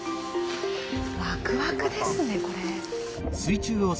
ワクワクですねこれ。